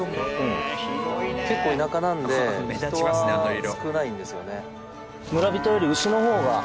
結構田舎なので人は少ないんですよね。